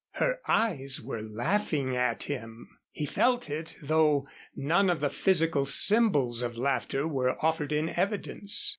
Her eyes were laughing at him. He felt it, though none of the physical symbols of laughter were offered in evidence.